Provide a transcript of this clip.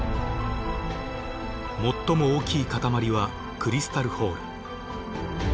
最も大きい塊はクリスタル・ホール。